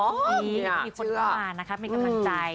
ก็มีคนประมาณไม่กำลังใจ